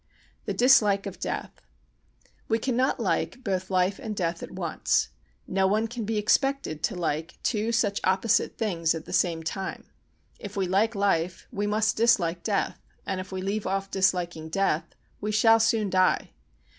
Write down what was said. The Dislike of Death We cannot like both life and death at once; no one can be expected to like two such opposite things at the same time; if we like life we must dislike death, and if we leave off disliking death we shall soon die.